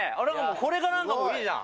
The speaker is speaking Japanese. これがなんかいいじゃん。